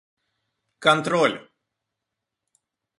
контроль